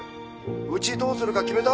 うちどうするか決めた？